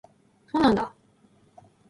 そうなんだ